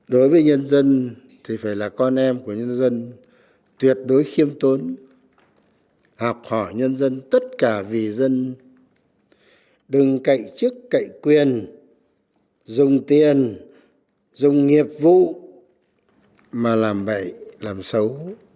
đối với nhân dân thì phải là con em của nhân dân tuyệt đối khiêm tốn học hỏi nhân dân tất cả vì dân đừng cậy chức cậy quyền dùng tiền dùng nghiệp vụ mà làm bậy làm xấu